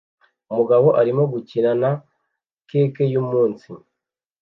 Umugabo arimo gukina na cake yumunsi